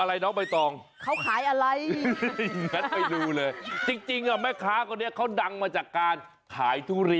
มีอะไรดีอะไรเด็ดบ้างจ๋า